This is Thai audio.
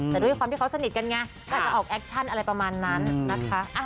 แต่ด้วยความที่เขาสนิทกันไงก็อาจจะออกแอคชั่นอะไรประมาณนั้นนะคะ